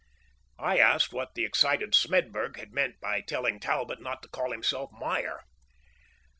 I asked what the excited Smedburg had meant by telling Talbot not to call himself Meyer.